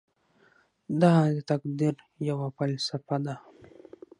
دا د تقدیر یوه فلسفه ده.